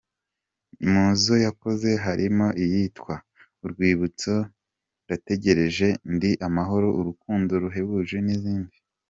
Mu zo yakoze harimo iyitwa ”Urwibuto” , “Ndategereje” , “Ndi amahoro” , “Urukundo ruhebuje ” n’izindi.